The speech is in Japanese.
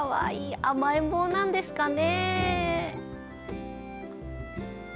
甘えん坊なんですかね。